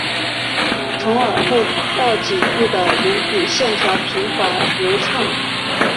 从耳后到颈部的颅骨线条平滑流畅。